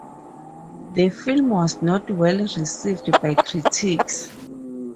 The film was not well-received by critics.